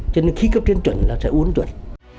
cho nên khi cấp trên chuẩn là sẽ uốn chuẩn